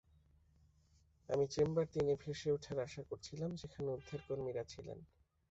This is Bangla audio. আমি চেম্বার তিনে ভেসে উঠার আশা করছিলাম, যেখানে উদ্ধারকর্মীরা ছিলেন।